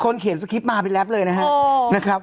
เขียนสคริปต์มาเป็นแรปเลยนะครับ